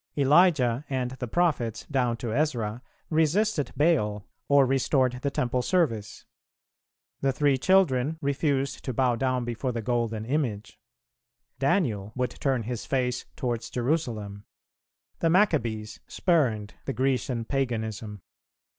Elijah and the prophets down to Ezra resisted Baal or restored the Temple Service; the Three Children refused to bow down before the golden image; Daniel would turn his face towards Jerusalem; the Maccabees spurned the Grecian paganism.